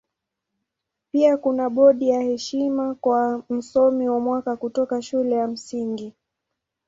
Pia kuna bodi ya heshima kwa Msomi wa Mwaka kutoka kwa Shule ya Msingi.